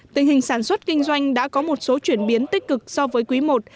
tình hình sản xuất kinh doanh đã có một số chuyển biến tích cực so với quý i